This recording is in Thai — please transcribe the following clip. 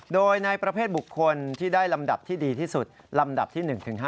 โดยในประเภทบุคคลที่ได้ลำดับที่ดีที่สุดลำดับที่๑๕